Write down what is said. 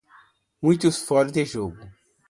Muitos fóruns de jogos